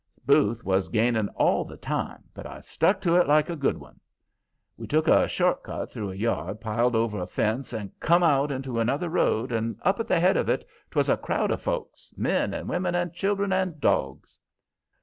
Booth was gaining all the time, but I stuck to it like a good one. We took a short cut through a yard, piled over a fence and come out into another road, and up at the head of it was a crowd of folks men and women and children and dogs.